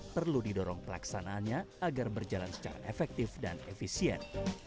perlu didorong pelaksanaannya agar berjalan secara efektif dan efisien